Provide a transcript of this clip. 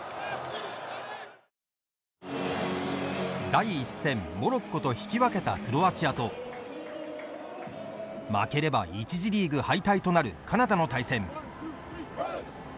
第１戦、モロッコと引き分けたクロアチアと負ければ、１次リーグ敗退となるカナダの対戦。